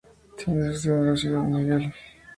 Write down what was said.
Tiene su sede en la ciudad de San Miguel.